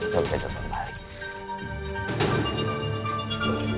jangan jangan jangan balik